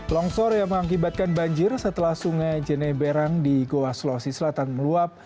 longsor yang mengakibatkan banjir setelah sungai jeneberang di goa sulawesi selatan meluap